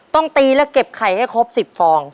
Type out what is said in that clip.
ต้องตีและเก็บไข่ให้ครบ๑๐ฟอง